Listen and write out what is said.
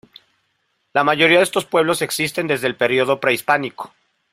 La mayoría de estos pueblos existen desde el periodo prehispánico.